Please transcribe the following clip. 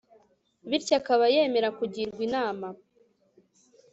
bityo akaba yemera kugirwa inama